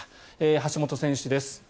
橋本選手です。